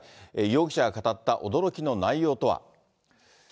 容疑者が語った驚きの内容とは。